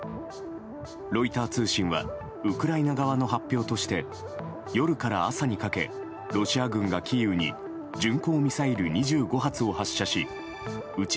ロイター通信はウクライナ側の発表として夜から朝にかけロシア軍がキーウに巡航ミサイル２５発を発射しうち